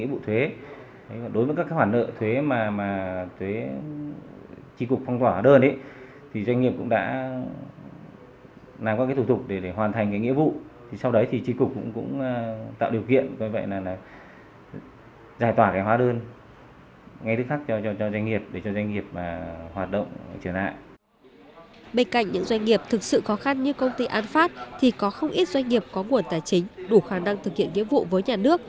bên cạnh những doanh nghiệp thực sự khó khăn như công ty an phát thì có không ít doanh nghiệp có nguồn tài chính đủ khả năng thực hiện nhiệm vụ với nhà nước